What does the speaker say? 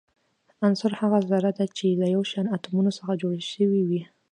عنصر هغه ذره ده چي له يو شان اتومونو څخه جوړ سوی وي.